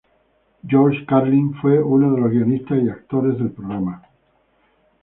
George Carlin fue uno de los guionistas y actores del programa.